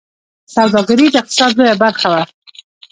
سوداګري د اقتصاد لویه برخه وه